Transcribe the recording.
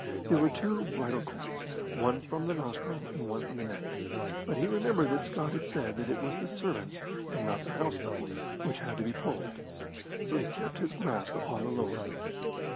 There were two bridle cords, one from the nostril and one from the neck, but he remembered that Scott had said that it was the servant's and not the house bell which had to be pulled, so he kept his grasp upon the lower.